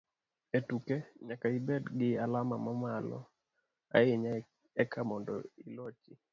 E tuke, nyaka ibed gi alama mamalo ahinya eka mondo ilochi